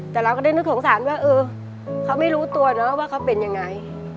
แต่เราก็ได้นึกสงสารว่าเออเขาไม่รู้ตัวเนอะว่าเขาเป็นยังไง